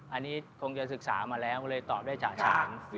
อันนี้คงจะศึกษามาแล้วก็เลยตอบได้จ่าฉาง